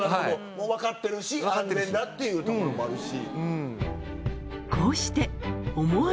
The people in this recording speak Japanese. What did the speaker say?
もう分かってるし安全だっていうところもあるし。